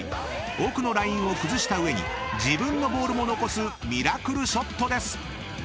［奥のラインを崩した上に自分のボールも残すミラクルショットです！］